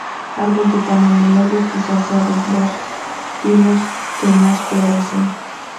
Árbol de tamaño medio, quizás sea de los tilos que más florecen.